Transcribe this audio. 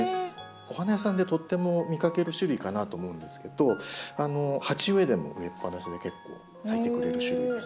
お花屋さんでとっても見かける種類かなと思うんですけど鉢植えでも植えっぱなしで結構咲いてくれる種類ですね。